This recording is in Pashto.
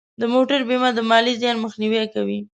د موټر بیمه د مالی زیان مخنیوی کوي.